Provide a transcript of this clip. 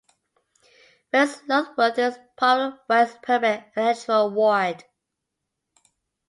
West Lulworth is part of West Purbeck electoral ward.